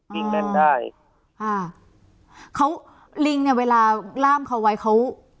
ลิงเล่นได้อ่าเขาลิงเนี้ยเวลาล่ามเขาไว้เขา